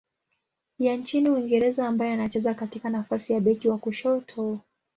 ya nchini Uingereza ambaye anacheza katika nafasi ya beki wa kushoto.